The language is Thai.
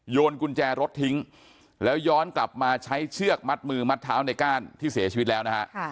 กุญแจรถทิ้งแล้วย้อนกลับมาใช้เชือกมัดมือมัดเท้าในก้านที่เสียชีวิตแล้วนะฮะ